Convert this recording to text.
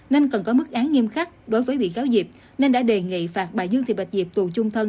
nên cần có mức án nghiêm khắc đối với bị cáo diệp nên đã đề nghị phạt bà dương thị bạch diệp tù chung thân